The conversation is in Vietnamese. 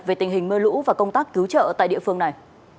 về tình hình mưa lũ và công tác cứu trợ tại địa phương này